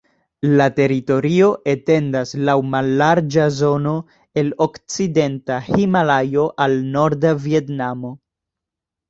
La teritorio etendas laŭ mallarĝa zono el okcidenta Himalajo al norda Vjetnamo.